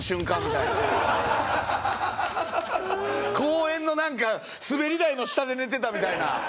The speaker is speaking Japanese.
公園のなんか滑り台の下で寝てたみたいな。